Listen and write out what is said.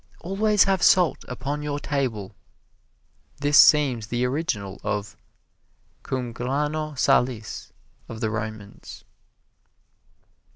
"Always have salt upon your table" this seems the original of "cum grano salis" of the Romans.